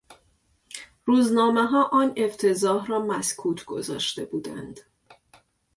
روزنامهها آن افتضاح را مسکوت گذاشته بودند.